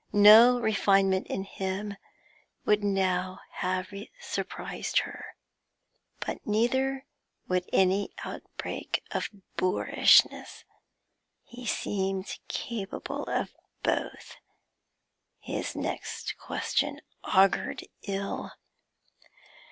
No refinement in him would now have surprised her; but neither would any outbreak of boorishness. He seemed capable of both. His next question augured ill.